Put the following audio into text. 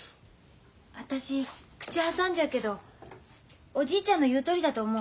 私口挟んじゃうけどおじいちゃんの言うとおりだと思う。